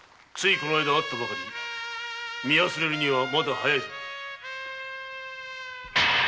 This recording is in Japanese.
この間会ったばかり見忘れるにはまだ早いぞ。